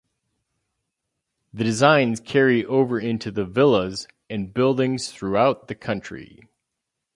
The designs carry over into the villas and buildings throughout the country.